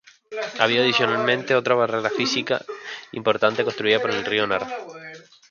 Había adicionalmente otra barrera física importante constituida por el río Nar.